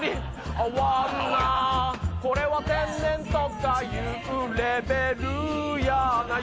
これは天然とかいうレベルやない。